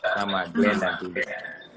sama glenn dan tulus